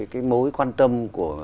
cái mối quan tâm của